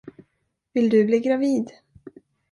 Vill du bli gravid?